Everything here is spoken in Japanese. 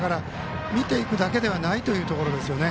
見ていくだけではないということですよね。